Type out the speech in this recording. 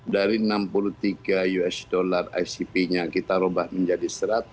dari usd enam puluh tiga icp nya kita rubah menjadi seratus